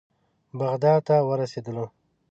بغداد ته ورسېدلو.